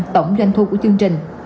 tổng doanh thu của chương trình